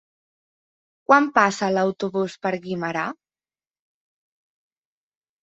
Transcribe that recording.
Quan passa l'autobús per Guimerà?